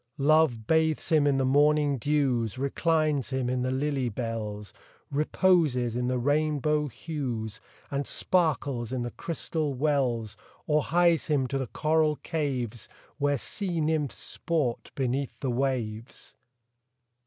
Love bathes him in the morning dews, Reclines him in the lily bells, Reposes in the rainbow hues, And sparkles in the crystal wells, Or hies him to the coral caves, Where sea nymphs sport beneath the waves.